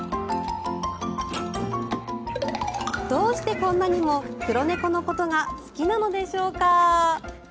どうしてこんなにも黒猫のことが好きなのでしょうか。